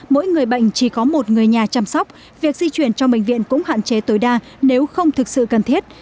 mỗi người bệnh chỉ có một người nhà chăm sóc việc di chuyển trong bệnh viện cũng hạn chế tối đa nếu không thực sự cần thiết